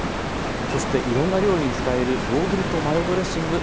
そしていろんな料理に使えるヨーグルトマヨドレッシング。